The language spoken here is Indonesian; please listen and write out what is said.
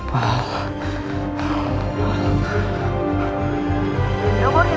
sedang tidak aktif